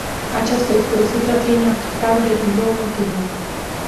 Aceasta este o situație inacceptabilă din două motive.